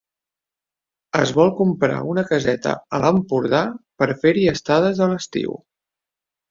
Es vol comprar una caseta a l'Empordà per fer-hi estades a l'estiu.